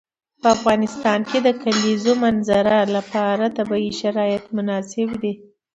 په افغانستان کې د د کلیزو منظره لپاره طبیعي شرایط مناسب دي.